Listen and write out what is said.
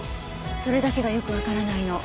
それだけがよくわからないの。